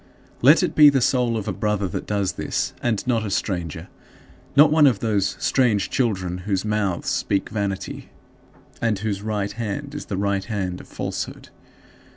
Let it be the soul of a brother that does this, and not a stranger not one of those "strange children, whose mouth speaks vanity, and whose right hand is the right hand of falsehood."